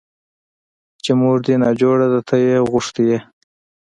چې مور دې ناجوړه ده ته يې غوښتى يې.